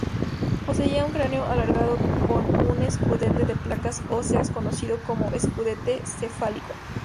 Poseía un cráneo alargado con un escudete de placas óseas conocido como escudete cefálico.